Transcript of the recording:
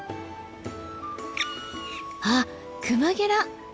あっクマゲラ！